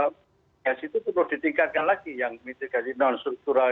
ya itu perlu ditingkatkan lagi yang mitigasi non struktural